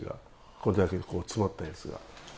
これだけ詰まったやつが。